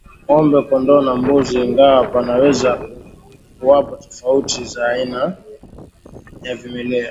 Ng'ombe kondoo na mbuzi ingawa panaweza kuwapo tofauti za aina ya vimelea